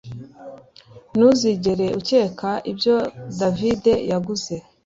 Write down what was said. Ntuzigera ukeka ibyo David yaguze